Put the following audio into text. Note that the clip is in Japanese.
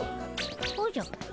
おじゃ？